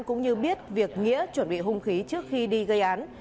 cũng như biết việc nghĩa chuẩn bị hung khí trước khi đi gây án